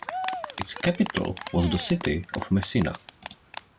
Its capital was the city of Messina.